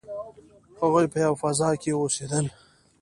هغوی په یوه فضا کې اوسیدل.